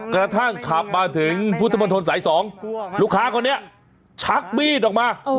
กระทั่งขับมาถึงพุทธบันทนศัยสองลูกค้าเขานี้ชักมีดออกมา